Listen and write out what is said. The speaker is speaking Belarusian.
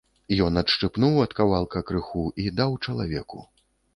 Ён адшчыпнуў ад кавалка крыху і даў чалавеку.